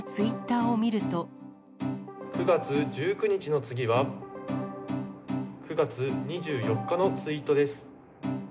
９月１９日の次は、９月２４日のツイートです。